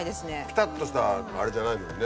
ピタっとしたあれじゃないのに。